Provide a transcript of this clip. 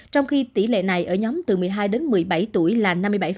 trong khi tỷ lệ này ở nhóm từ một mươi hai đến một mươi bảy tuổi là năm mươi bảy